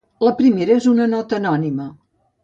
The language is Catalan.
La primera és una nota anònima.